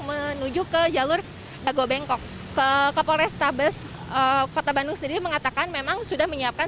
menuju ke jalur dago bengkok ke polrestabes kota bandung sendiri mengatakan memang sudah menyiapkan